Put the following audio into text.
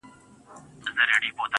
ستا د ميني پـــه كـــورگـــي كـــــي.